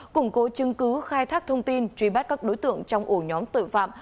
củng cố chứng cứ khai thác thông tin truy bắt các đối tượng trong ổ nhóm tội phạm